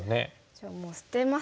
じゃあもう捨てます。